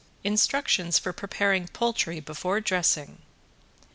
Instructions for Preparing Poultry Before Dressing.